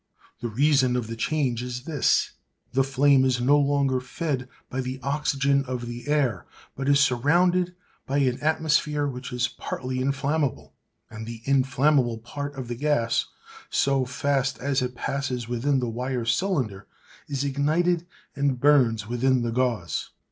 The reason of the change is this:—The flame is no longer fed by the oxygen of the air, but is surrounded by an atmosphere which is partly inflammable; and the inflammable part of the gas, so fast as it passes within the wire cylinder, is ignited and burns within the gauze.